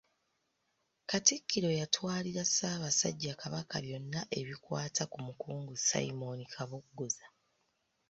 Katikkiro yatwalira Ssaabasajja Kabaka byona ebikwata ku Mukungu Simon Kabogoza.